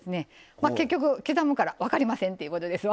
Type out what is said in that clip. まあ結局刻むから分かりませんっていうことですわ。